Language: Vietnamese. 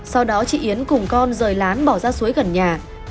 sau đó chị yến cùng con rời lán bỏ ra suối gần nhà